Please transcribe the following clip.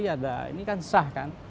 ini kan sah kan